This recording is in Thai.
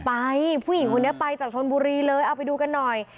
ผู้หญิงคนนี้ไปจากชนบุรีเลยเอาไปดูกันหน่อย